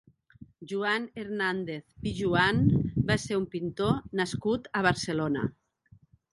Joan Hernàndez Pijuan va ser un pintor nascut a Barcelona.